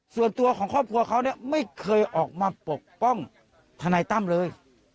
ส่วนตัวของครอบครัวเขาเนี่ยไม่เคยออกมาปกป้องทนายตั้มเลย